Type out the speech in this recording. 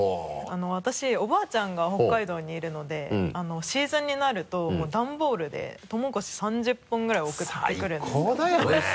私おばあちゃんが北海道にいるのでシーズンになると段ボールでとうもろこし３０本ぐらい送ってくるんですよ。